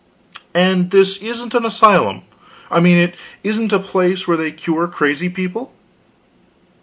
"And this isn't an asylum? I mean, it isn't a place where they cure crazy people?"